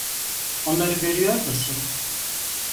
Onları görüyor musun?